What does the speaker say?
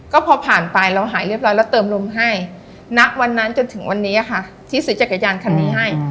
ก็พอผ่านไปเราหายเรียบร้อยแล้วเติมลมให้ณวันนั้นจนถึงวันนี้ค่ะที่ซื้อจักรยานคันนี้ให้